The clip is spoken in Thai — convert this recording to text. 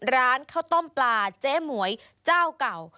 ร้านข้าวต้มปลาเจ๊หมวยเจ้าเก่า